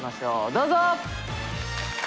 どうぞ！